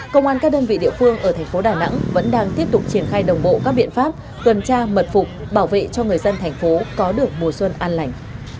công an các đơn vị địa phương ở thành phố đà nẵng vẫn đang tiếp tục triển khai đồng bộ các biện pháp tuần tra mật phục bảo vệ cho người dân thành phố có được mùa xuân an lành